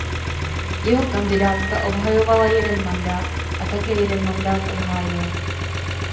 Jeho kandidátka obhajovala jeden mandát a také jeden mandát obhájila.